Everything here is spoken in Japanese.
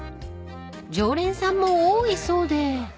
［常連さんも多いそうで］